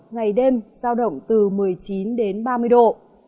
ngày đêm giao động từ một mươi chín đến ba mươi độ